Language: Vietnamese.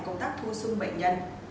công tác thu xung bệnh nhân